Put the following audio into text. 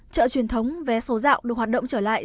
chợ truyền thống vé số dạo được hoạt động trở lại